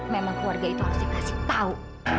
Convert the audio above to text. memang keluarga itu harus dikasih tahu